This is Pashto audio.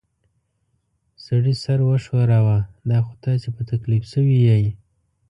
سړي سر وښوراوه: دا خو تاسې په تکلیف شوي ییۍ.